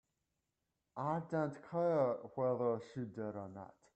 I don't care whether she did or not.